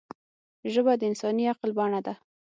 ژبه د انساني عقل بڼه ده